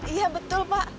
iya betul pak